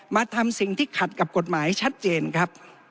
มาทำสิ่งที่ขัดกับกฎหมายชัดเจนครับ